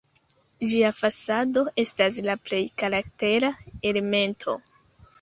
Ĝia fasado estas la plej karaktera elemento.